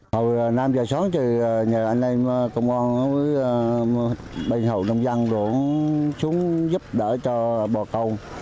hồi năm giờ sáng thì nhà anh em công an mới bay hậu nông dân đuổi xuống giúp đỡ cho bò câu